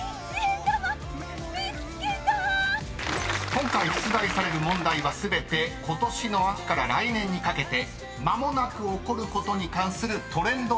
［今回出題される問題は全てことしの秋から来年にかけて間もなく起こることに関するトレンドワード常識５文字です。